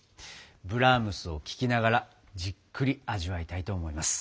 ブラームスを聴きながらじっくり味わいたいと思います。